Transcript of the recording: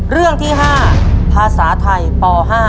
เรื่องที่๕ภาษาไทยป๕